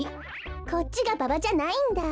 こっちがババじゃないんだ。